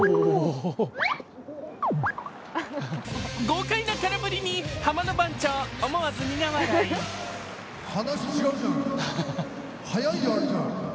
豪快な空振りにハマの番長、思わず苦笑い。